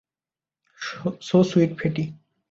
So sweet, fatty.